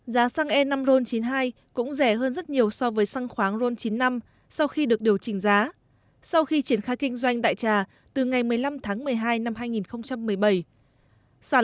giá xăng e năm ron chín mươi hai cũng rẻ hơn rất nhiều so với xăng khoáng ron